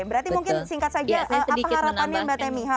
berarti mungkin singkat saja apa harapannya mbak temia